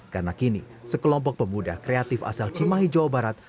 karena kini sekelompok pemuda kreatif asal cimahi jawa barat